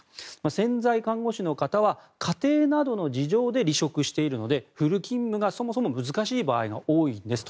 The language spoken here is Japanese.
潜在看護師の方は家庭などの事情で離職しているのでフル勤務がそもそも難しい場合が多いんですと。